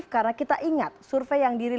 dan di dua puluh tahun